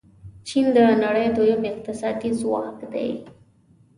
چین د نړۍ دویم اقتصادي ځواک دی.